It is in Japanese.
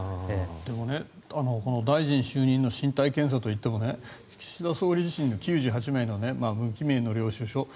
でも大臣就任の身体検査といっても岸田総理自身が９８名の無記名の領収書